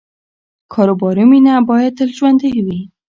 کاروباري مینه باید تل ژوندۍ وي.